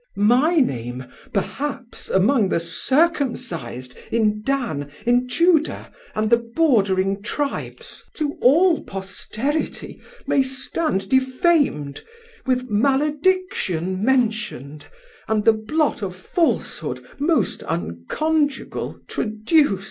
My name perhaps among the Circumcis'd In Dan, in Judah, and the bordering Tribes, To all posterity may stand defam'd, With malediction mention'd, and the blot Of falshood most unconjugal traduc't.